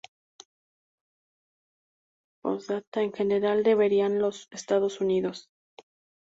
P: En general, ¿deberían los Estados Unidos.